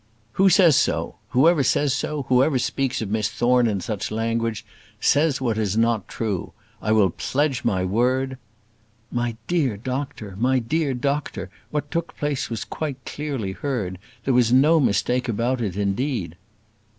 "Who says so? Whoever says so, whoever speaks of Miss Thorne in such language, says what is not true. I will pledge my word " "My dear doctor, my dear doctor, what took place was quite clearly heard; there was no mistake about it, indeed."